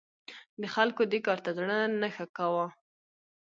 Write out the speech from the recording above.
د خلکو دې کار ته زړه نه ښه کاوه.